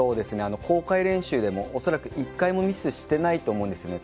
公開練習でもおそらく１回もミスしていないと思うんです。